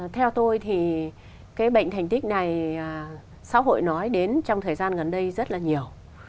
theo tôi thì cái bệnh thành tích này xã hội nói đến trong thời gian gần đây rất là nhiều